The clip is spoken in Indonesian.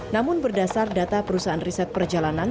namun berdasar data perusahaan riset perjalanan